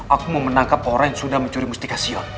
aku mau menangkap orang yang sudah mencuri mustika sion